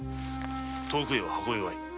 遠くへは運べまい。